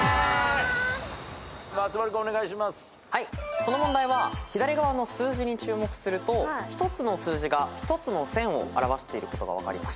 この問題は左側の数字に注目すると１つの数字が１つの線を表していることが分かります。